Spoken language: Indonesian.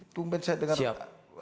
tumpet saya dengar